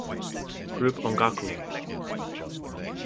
Group Ongaku.